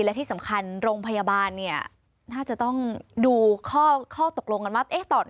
และที่สำคัญโรงพยาบาลเนี่ยน่าจะต้องดูข้อตกลงกันว่า